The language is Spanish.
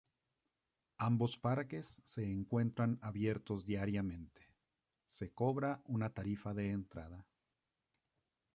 Ambos parques se encuentran abiertos diariamente; se cobra una tarifa de entrada.